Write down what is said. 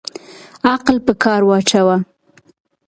عقل په کار واچوه